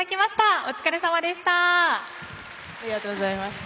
お疲れさまでした。